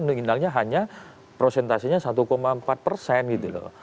mengindahnya hanya prosentasinya satu empat persen gitu loh